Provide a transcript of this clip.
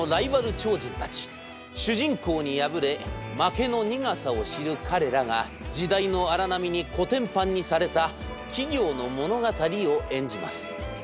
主人公に敗れ負けの苦さを知る彼らが時代の荒波にコテンパンにされた企業の物語を演じます。